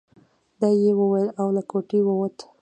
دا يې وويل او له کوټې ووت.